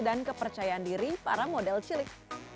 dan kepercayaan diri para model cilik